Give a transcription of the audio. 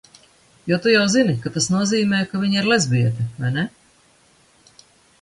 Jo tu jau zini, ka tas nozīmē, ka viņa ir lezbiete, vai ne?